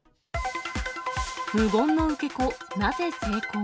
無言の受け子、なぜ成功？